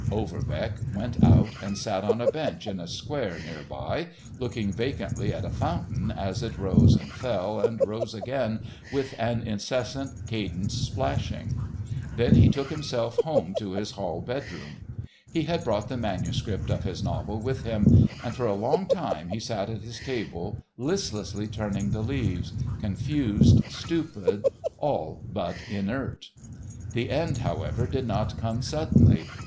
Overbeck went out and sat on a bench in a square near by, looking vacantly at a fountain as it rose and fell and rose again with an incessant cadenced splashing. Then he took himself home to his hall bedroom. He had brought the manuscript of his novel with him, and for a long time he sat at his table listlessly turning the leaves, confused, stupid, all but inert. The end, however, did not come suddenly.